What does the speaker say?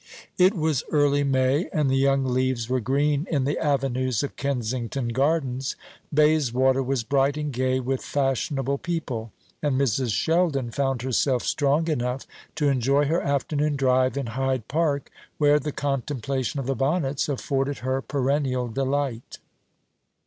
It was early May, and the young leaves were green in the avenues of Kensington Gardens; Bayswater was bright and gay with fashionable people; and Mrs. Sheldon found herself strong enough to enjoy her afternoon drive in Hyde Park, where the contemplation of the bonnets afforded her perennial delight.